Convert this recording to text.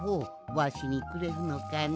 わしにくれるのかね？